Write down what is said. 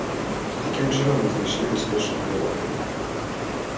І такім чынам мы знайшлі бяспечную дарогу.